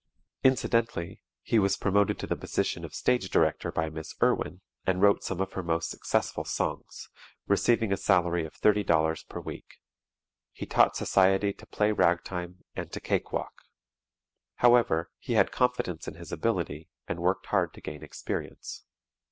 Incidentally, he was promoted to the position of stage director by Miss Irwin, and wrote some of her most successful songs, receiving a salary of $30.00 per week. He taught society to play ragtime and to cakewalk. However, he had confidence in his ability and worked hard to gain experience.